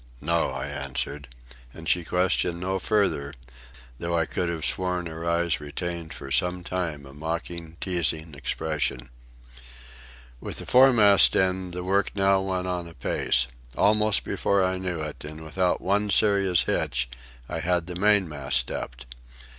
"No," I answered, and she questioned no further, though I could have sworn her eyes retained for some time a mocking, teasing expression. With the foremast in, the work now went on apace. Almost before I knew it, and without one serious hitch, I had the mainmast stepped.